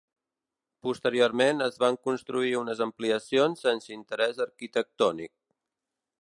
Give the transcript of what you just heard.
Posteriorment es van construir unes ampliacions sense interès arquitectònic.